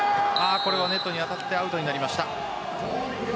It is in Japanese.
これはネットに当たってアウトになりました。